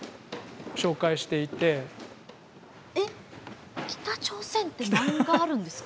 えっ北朝鮮ってマンガあるんですか？